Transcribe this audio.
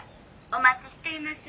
「お待ちしています」